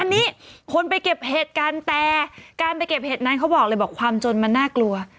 อันนี้คนไปเก็บเห็ดกันแต่การไปเก็บเห็ดนั้นเขาบอกเลยบอกความจนมันน่ากลัว